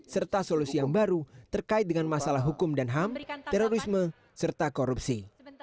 serta solusi yang baru terkait dengan masalah hukum dan ham terorisme serta korupsi